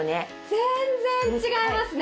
全然違いますね！